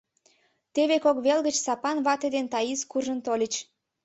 Теве кок вел гыч Сапан вате ден Таис куржын тольыч.